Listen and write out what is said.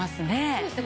そうですね。